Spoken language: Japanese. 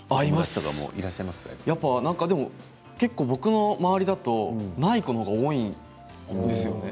僕の周りだとない子のほうが多いんですよね。